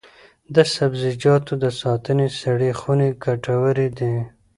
د سبزیجاتو د ساتنې سړې خونې ګټورې دي.